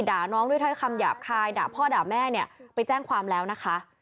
ด่าน้องด้วยถ้อยคำหยาบคายด่าพ่อด่าแม่เนี่ยไปแจ้งความแล้วนะคะ